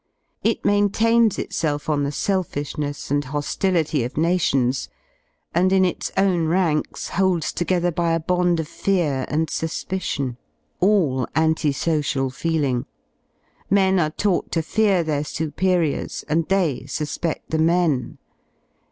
It maintains itself on the gelfisTiness and ho^ility of nations, and in its own ranks holds together bya bond of fear and suspicioiT ^aJJUnti social feeling. Men are taught to fear their superiors, and they susped: the men.